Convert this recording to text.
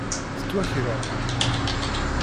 Tettwakṛeh.